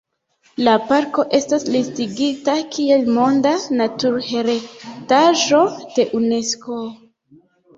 La parko estas listigita kiel Monda Naturheredaĵo de Unesko.